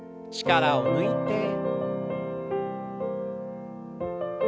力を抜いて。